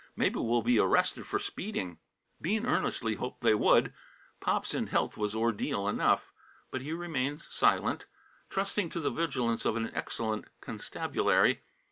Maybe we'll be arrested for speeding." Bean earnestly hoped they would. Pops in health was ordeal enough. But he remained silent, trusting to the vigilance of an excellent constabulary.